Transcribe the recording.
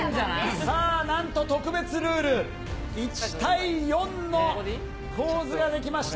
さあ、なんと特別ルール、１対４の構図が出来ました。